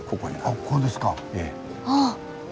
あっここですか。